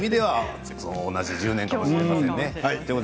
同じ１０年とは思えませんね。